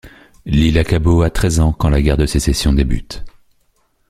Lilla Cabot a treize ans quand la Guerre de Sécession débute.